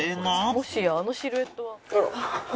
「もしやあのシルエットは」